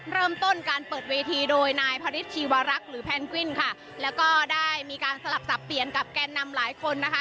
เริ่มต้นการเปิดเวทีโดยนายพระฤทธชีวรักษ์หรือแพนกวินค่ะแล้วก็ได้มีการสลับสับเปลี่ยนกับแกนนำหลายคนนะคะ